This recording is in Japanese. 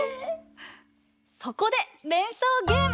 そこでれんそうゲーム！